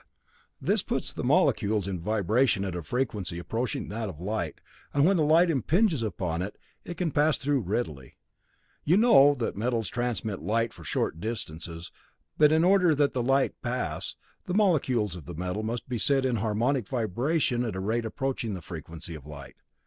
This puts the molecules in vibration at a frequency approaching that of light, and when the light impinges upon it, it can pass through readily. You know that metals transmit light for short distances, but in order that the light pass, the molecules of metal must be set in harmonic vibration at a rate approaching the frequency of light.